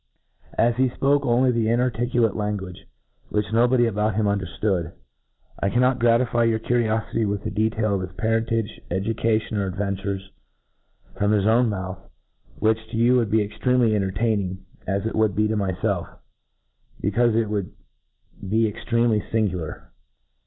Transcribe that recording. As he fpokc only the inarticulate language^ which no body about him underftood, I cannot gratify your euriofity with a' detail of his parens tage, education, or adventures, from his own mouthr— which to jou would be extremely en tertaining, as it would be to myfelf, becaufe it would be extremely Angular.